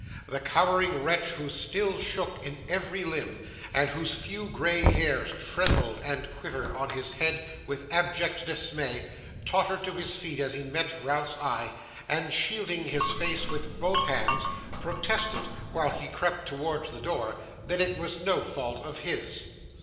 The cowering wretch, who still shook in every limb, and whose few grey hairs trembled and quivered on his head with abject dismay, tottered to his feet as he met Ralph's eye, and, shielding his face with both hands, protested, while he crept towards the door, that it was no fault of his.